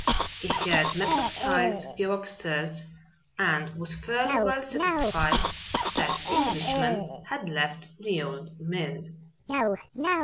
He heard Matlock Styles go upstairs and was fairly well satisfied that the Englishman had left the old mill.